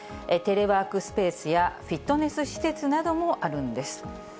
テレワークスペースや、フィットネス施設などもあるんです。